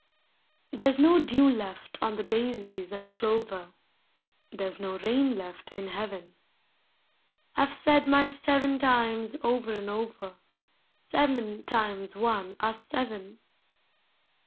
There's no dew left on the daisies and clover, There's no rain left in heaven. I '\e said my " seven times ?' over and over, — Seven times one are seven.